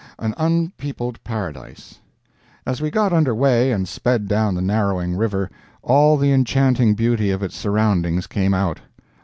AN UNPEOPLED PARADISE As we got under way and sped down the narrowing river, all the enchanting beauty of its surroundings came out.